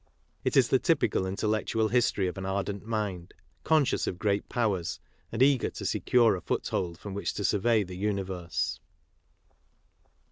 It is the typical intellectual history of an ardent mind, conscious of great powers, and eager to secure a foothold from which to survey the universe.